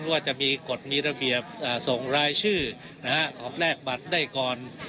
ว่าจะมีกฎมีระเบียบส่งรายชื่อของแลกบัตรได้ก่อน